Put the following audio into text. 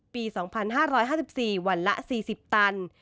ปี๒๕๕๔วันละ๔๐ตัน